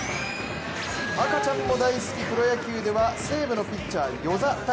赤ちゃんも大好き、プロ野球では西武のピッチャー與座対